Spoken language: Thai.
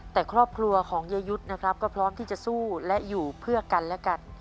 แต่ครอบครัวของเยยุทธ์นะครับก็พร้อมที่จะสู้และอยู่เพื่อกันและกัน